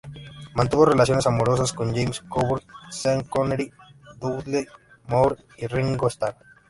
Mantuvo relaciones amorosas con James Coburn, Sean Connery, Dudley Moore y Ringo Starr.